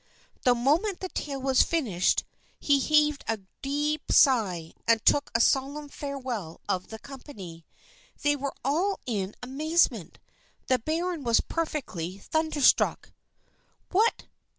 The moment the tale was finished, he heaved a deep sigh, and took a solemn farewell of the company. They were all in amazement. The baron was perfectly thunderstruck. "What!